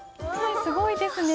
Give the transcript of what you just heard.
すごいですね。